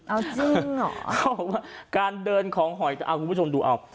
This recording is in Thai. เอาจริงเหรอเขาบอกว่าการเดินของหอยจะเอาคุณผู้ชมดูเอา